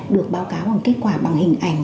được báo cáo bằng kết quả bằng hình ảnh